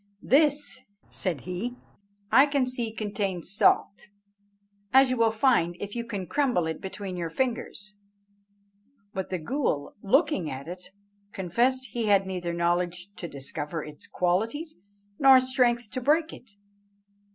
"This," said he, "I can see contains salt, as you will find if you can crumble it between your fingers;" but the ghool, looking at it, confessed he had neither knowledge to discover its qualities nor strength to break it.